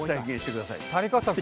谷川さん